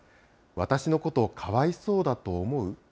私のこと、かわいそうだと思う？